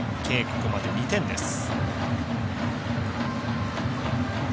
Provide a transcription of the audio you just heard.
ここまで計２点です。